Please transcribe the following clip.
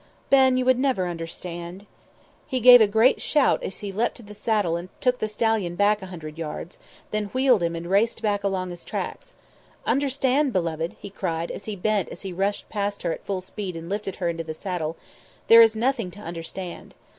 Ben, you would never understand " He gave a great shout as he leapt to the saddle and took the stallion back a hundred yards, then wheeled him and raced him back along his tracks. "Understand, beloved?" he cried, as he bent as he rushed past her at full speed and lifted her to the saddle. "There is nothing to understand."